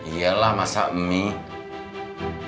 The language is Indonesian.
yelah masak mie